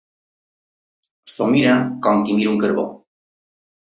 S'ho mira com qui mira un carbó.